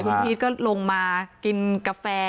คุณพีชก็ลงมากินกาแฟ